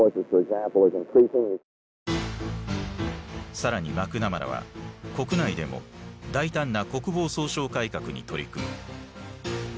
更にマクナマラは国内でも大胆な国防総省改革に取り組む。